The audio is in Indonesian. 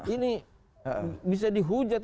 ini bisa dihujat